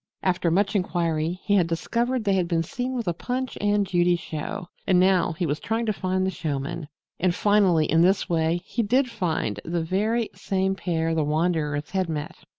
After much inquiry he had discovered they had been seen with a Punch and Judy show and now he was trying to find the showmen. And finally, in this way, he did find the very same pair the wanderers had met!